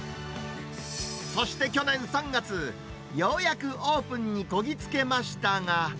そして去年３月、ようやくオープンにこぎ着けましたが。